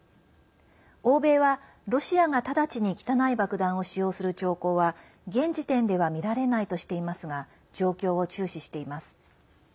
欧米は、ロシアが直ちに汚い爆弾を使用する兆候は現時点では見られないとしていますが状況を注視しています。